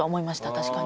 確かに。